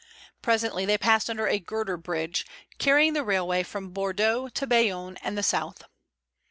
Presently they passed under a girder bridge, carrying the railway from Bordeaux to Bayonne and the south.